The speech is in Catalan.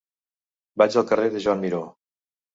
Vaig al carrer de Joan Miró.